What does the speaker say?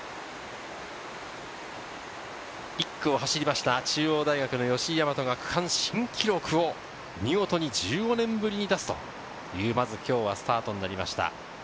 １区を走った中央大学の吉居大和が区間新記録を見事１５年ぶりに出すというスタートになりました。